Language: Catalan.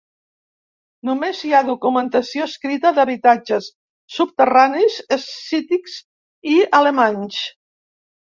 Només hi ha documentació escrita d'habitatges subterranis escítics i alemanys.